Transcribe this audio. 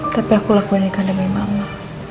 tapi aku lakuin ini kan demi mama